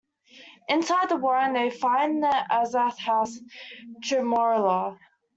Inside the warren, they find the Azath house Tremorlor.